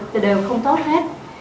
thì đều không tốt hết